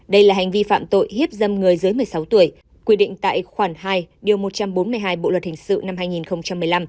đây là hành vi phạm tội hiếp dâm người dưới một mươi sáu tuổi quy định tại khoản hai điều một trăm bốn mươi hai bộ luật hình sự năm hai nghìn một mươi năm